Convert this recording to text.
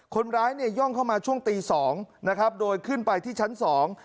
คนร้ายเนี่ยย่องเข้ามาช่วงตีสองนะครับโดยขึ้นไปที่ชั้นสอง